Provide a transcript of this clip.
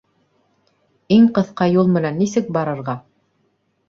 Иң ҡыҫҡа юл менән нисек барырға?